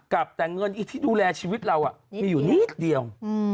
แต่เงินที่ดูแลชีวิตเรามีอยู่นิดเดียว